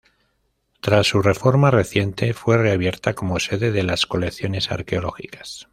Tras su reforma reciente, fue reabierta como sede de las colecciones arqueológicas.